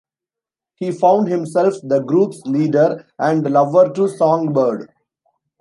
He found himself the group's leader and lover to Songbird.